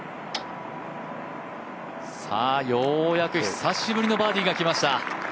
ようやく久しぶりのバーディーが来ました。